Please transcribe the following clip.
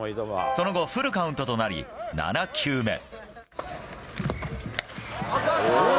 その後、フルカウントとなり７球目。